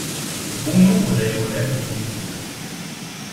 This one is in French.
Bon nombre d'aéronefs sont visibles.